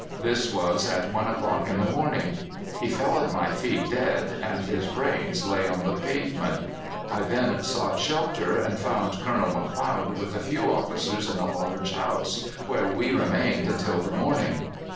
This was at one o'clock in the morning. He fell at my feet dead, and his brains lay on the pavement. I then sought shelter, and found Colonel McLeod with a few officers in a large house, where we remained until the morning.